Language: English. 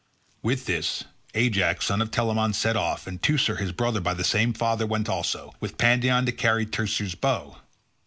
With this, Ajax son of Telamon set off, and Teucer, his brother by the same father, went also, with Pandion to carry Teucer's bow.